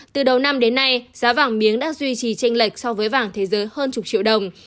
từ đầu năm đến nay giá vàng miếng đã duy trì tranh lệch so với vàng thế giới hơn chục triệu đồng